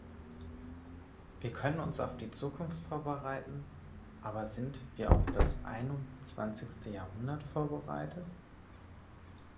Wir können uns auf die Zukunft vorbereiten, aber sind wir auf das einundzwanzigste Jahrhundert vorbereitet?